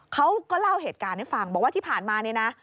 เขาก็เล่าเหตุการณ์ให้ฟังบอกว่าที่ผ่านมาเนี่ยนะ